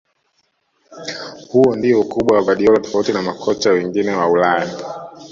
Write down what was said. Huo ndio ukubwa wa guardiola tofauti na makocha wengine wa ulaya